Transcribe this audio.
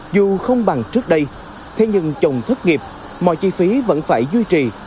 dù không bằng trước đây thế nhưng chồng thất nghiệp mọi chi phí vẫn phải duy trì